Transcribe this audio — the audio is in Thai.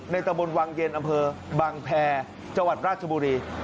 ตะบนวังเย็นอำเภอบังแพรจังหวัดราชบุรี